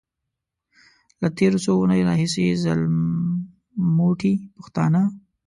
له تېرو څو اونيو راهيسې ځلموټي پښتانه.